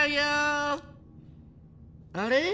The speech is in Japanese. あれ？